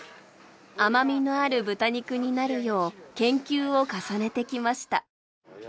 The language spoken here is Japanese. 甘みのある豚肉になるよう研究を重ねてきました。